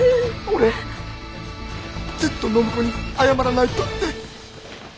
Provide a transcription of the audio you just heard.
☎俺ずっと暢子に謝らないとって。